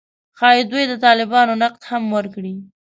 ښايي دوی د طالبانو نقد هم وکړي